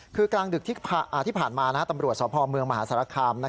คือกลางดึกที่ผ่านมาตำรวจสพเมืองมหาสารคาม